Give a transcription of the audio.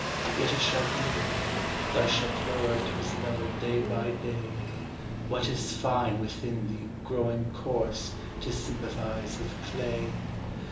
Yet it shall be: thou shalt lower to his level day by day, What is fine within thee growing coarse to sympathize with clay.